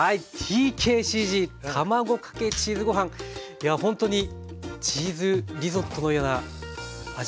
いやほんとにチーズリゾットのような味わいがしそうですね。